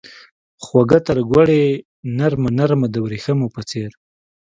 خوږه ترګوړې نرمه ، نرمه دوریښمو په څیر